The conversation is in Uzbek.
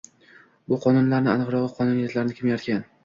Bu qonunlarni, aniqrog’i, qonuniyatlarni kim yaratgan?